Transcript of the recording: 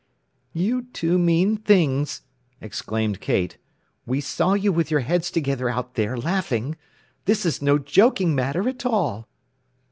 "You two mean things!" exclaimed Kate. "We saw you with your heads together out there, laughing. This is no joking matter at all."